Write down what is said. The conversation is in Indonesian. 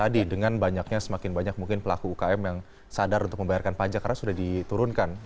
tadi dengan banyaknya semakin banyak mungkin pelaku ukm yang sadar untuk membayarkan pajak karena sudah diturunkan